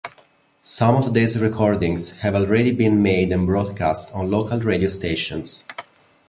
Some of these recordings have already been made and broadcast on local radio stations.